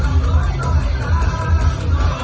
มันเป็นเมื่อไหร่แล้ว